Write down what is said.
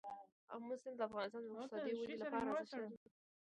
آمو سیند د افغانستان د اقتصادي ودې لپاره ارزښت لري.